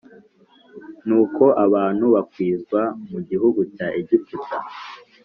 Nuko abantu bakwizwa mu gihugu cya Egiputa